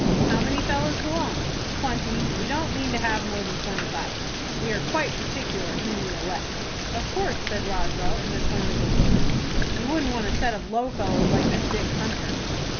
"How many fellows belong?" "Twenty. We don't mean to have more than twenty five. We are quite particular whom we elect." "Of course," said Roswell, in a tone of importance. "You wouldn't want a set of low fellows like that Dick Hunter."